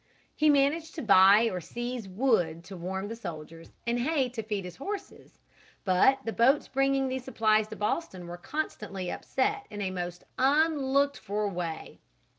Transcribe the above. He managed to buy or seize wood to warm the soldiers and hay to feed his horses. But the boats bringing these supplies to Boston were constantly upset in a most unlooked for way.